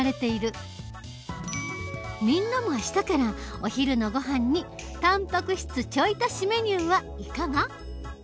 みんなも明日からお昼のごはんにたんぱく質ちょい足しメニューはいかが？